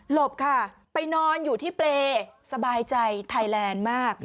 บค่ะไปนอนอยู่ที่เปรย์สบายใจไทยแลนด์มาก